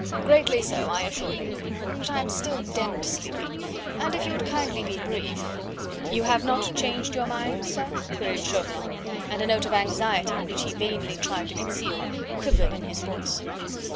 "Greatly so, I assure you. But I am still demmed sleepy; and if you would kindly be brief " "You have not changed your mind, sir?" queried Chauvelin, and a note of anxiety, which he vainly tried to conceal, quivered in his voice.